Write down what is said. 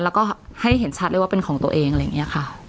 แล้วก็ให้เห็นชัดเลยว่าเป็นของตัวเองอะไรอย่างนี้ค่ะ